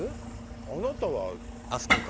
あなたは。あそこか。